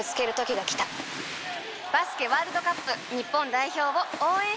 バスケワールドカップ日本代表を応援してください！